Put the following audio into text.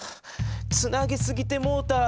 つなげすぎてもうた！